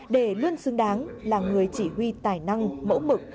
để luôn xứng đáng là người chỉ huy tài năng mẫu mực